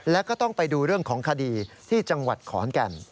แล้วก็ต้องไปดูเรื่องของคดีที่จังหวัดขอนแก่น